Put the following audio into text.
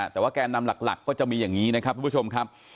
แต่ว่าแกนนำหลักก็จะมีอย่างนี้นะครับทุกผู้ชมครับ